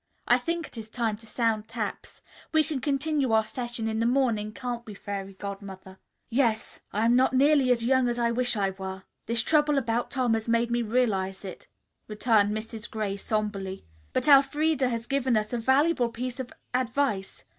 "I think it is time to sound taps. We can continue our session in the morning, can't we, Fairy Godmother?" "Yes. I am not nearly as young as I wish I were. This trouble about Tom has made me realize it," returned Mrs. Gray somberly. "But Elfreda has given us a valuable piece of advice.